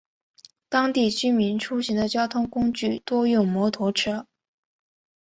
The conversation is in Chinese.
当地居民出行的交通工具多用摩托车。